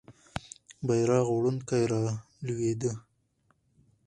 بیرغ وړونکی رالوېده.